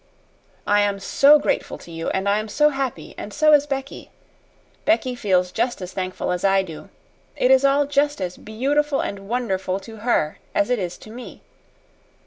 I am so grateful to you, and I am so happy and so is Becky. Becky feels just as thankful as I do it is all just as beautiful and wonderful to her as it is to me.